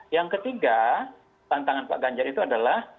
yang ketiga tantangan pak ganjar itu adalah